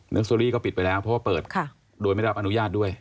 โซรีก็ปิดไปแล้วเพราะว่าเปิดโดยไม่รับอนุญาตด้วย